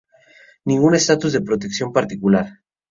Ningún estatus de protección particular.